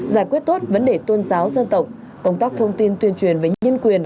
giải quyết tốt vấn đề tôn giáo dân tộc công tác thông tin tuyên truyền về nhân quyền